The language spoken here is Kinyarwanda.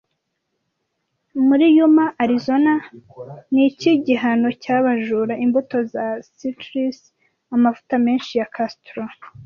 Muri Yuma Arizona niki gihano cyabajura imbuto za citrus Amavuta menshi ya Castor